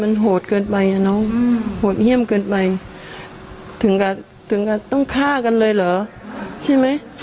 มันโหดเกินไปอ่ะน้องโหดเยี่ยมเกินไปถึงกับถึงกับต้องฆ่ากันเลยเหรอใช่ไหม